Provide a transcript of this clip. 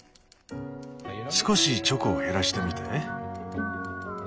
少しチョコを減らしてみて。